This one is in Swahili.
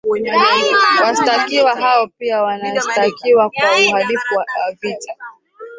Washtakiwa hao pia wanashtakiwa kwa uhalifu wa vita